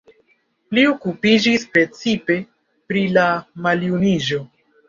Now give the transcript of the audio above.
Li okupiĝis precipe pri la maljuniĝo.